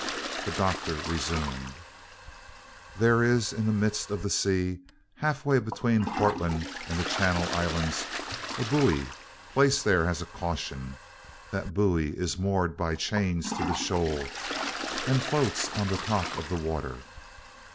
The doctor resumed, "There is in the midst of the sea, halfway between Portland and the Channel Islands, a buoy, placed there as a caution; that buoy is moored by chains to the shoal, and floats on the top of the water.